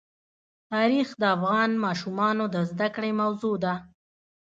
تاریخ د افغان ماشومانو د زده کړې موضوع ده.